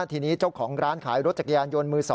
ทีนี้เจ้าของร้านขายรถจักรยานยนต์มือ๒